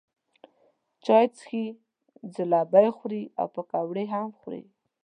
چای څښي، ځلوبۍ خوري او پیکوړې هم خوري.